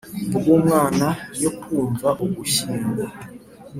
Bw umwana yo kuwa ugushyingo